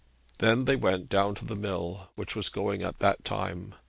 Then they went down to the mill, which was going at that time.